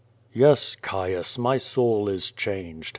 "Yes, Caius, my soul is changed.